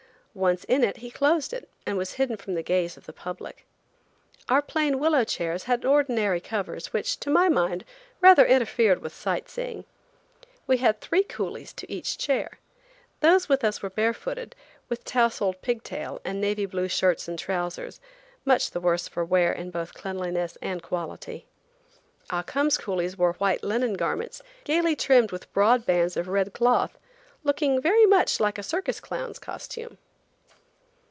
Once in it, he closed it, and was hidden from the gaze of the public. Our plain willow chairs had ordinary covers, which, to my mind, rather interfered with sightseeing. We had three coolies to each chair. Those with us were bare footed, with tousled pig tail and navy blue shirts and trousers, much the worse for wear both in cleanliness and quality. Ah Cum's coolies wore white linen garments, gayly trimmed with broad bands of red cloth, looking very much like a circus clown's costume.